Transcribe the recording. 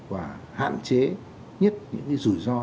và hạn chế nhất những rủi ro